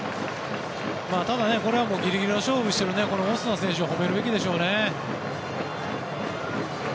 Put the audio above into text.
ただ、これはギリギリの勝負をしているオスナ選手を褒めるべきでしょうね。